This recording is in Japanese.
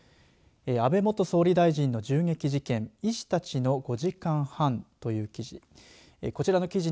安倍元総理大臣の銃撃事件医師たちの５時間半という記事。